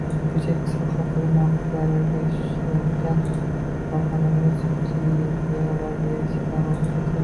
Byudjet islohotiga muvofiq zararga ishlayotgan korxonalarga subsidiyalar berishdan voz kechildi.